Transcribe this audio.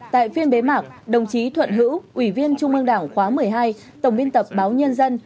tại phiên bế mạc đồng chí thuận hữu ủy viên trung ương đảng khóa một mươi hai tổng biên tập báo nhân dân